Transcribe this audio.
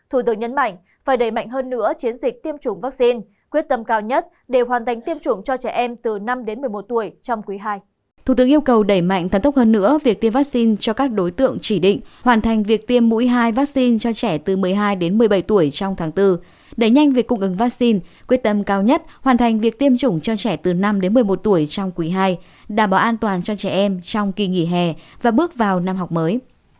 hơn nữa việc tiêm vaccine cho các đối tượng chỉ định hoàn thành việc tiêm mũi hai vaccine cho trẻ từ một mươi hai đến một mươi bảy tuổi trong tháng bốn đẩy nhanh việc cung ứng vaccine quyết tâm cao nhất hoàn thành việc tiêm chủng cho trẻ từ năm đến một mươi một tuổi trong quỷ hai đảm bảo an toàn cho trẻ em trong kỳ nghỉ hè và bước vào năm học mới